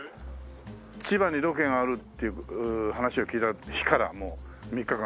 千葉にロケがあるっていう話を聞いた日からもう３日間